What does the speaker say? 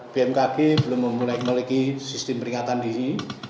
bmkg belum memiliki sistem peringatan di sini